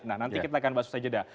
nah nanti kita akan bahas saja dah